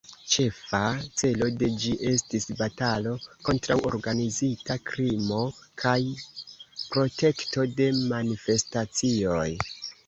Ĉefa celo de ĝi estis batalo kontraŭ organizita krimo kaj protekto de manifestacioj.